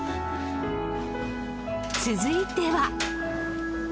続いては。